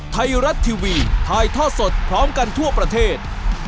ไทยรัฐทีวีถ่ายทอดสดพร้อมกันทั่วประเทศ